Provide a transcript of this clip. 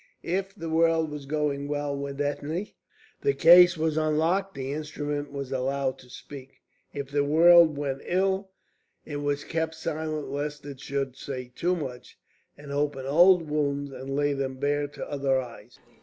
If the world was going well with Ethne, the case was unlocked, the instrument was allowed to speak; if the world went ill, it was kept silent lest it should say too much, and open old wounds and lay them bare to other eyes.